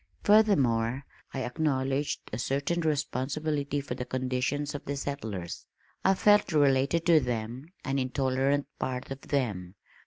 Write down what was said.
Furthermore I acknowledged a certain responsibility for the conditions of the settlers. I felt related to them, an intolerant part of them.